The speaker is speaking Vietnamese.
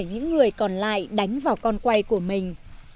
những người còn lại đánh vào con quay của mình